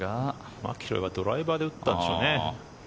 マキロイはドライバーで打ったんでしょうね。